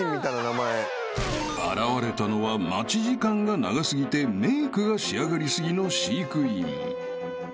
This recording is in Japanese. ［現れたのは待ち時間が長過ぎてメークが仕上がり過ぎの飼育員］